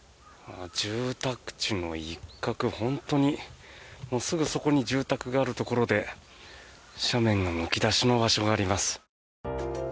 住宅地の一角、本当にすぐそこに住宅があるところで斜面がむき出しの場所があります。